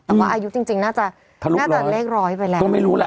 แต่ว่าอายุจริงน่าจะน่าจะเลขร้อยไปแล้วก็ไม่รู้แหละ